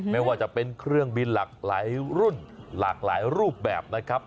ไม่ว่าจะเป็นเครื่องบินหลากหลายรุ่นหลากหลายรูปแบบนะครับ